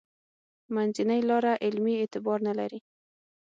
منځنۍ لاره علمي اعتبار نه لري.